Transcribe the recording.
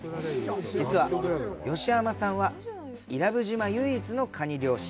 実は吉浜さんは伊良部島唯一のカニ漁師。